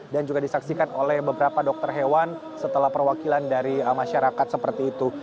dan juga disaksikan oleh beberapa dokter hewan setelah perwakilan dari masyarakat seperti itu